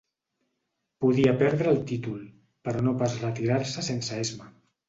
Podia perdre el títol, però no pas retirar-se sense esma.